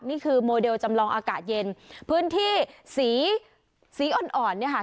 นี่คือโมเดลจำลองอากาศเย็นพื้นที่สีสีอ่อนอ่อนเนี่ยค่ะ